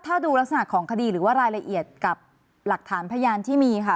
ถ้าดูลักษณะของคดีหรือว่ารายละเอียดกับหลักฐานพยานที่มีค่ะ